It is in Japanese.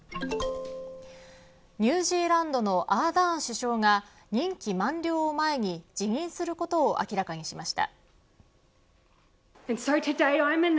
ニュージーランドのアーダーン首相が任期満了を前に辞任することを明らかにしました。